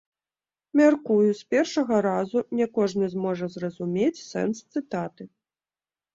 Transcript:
Мяркую, з першага разу не кожны зможа зразумець сэнс цытаты.